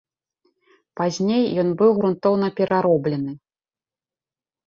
Пазней ён быў грунтоўна перароблены.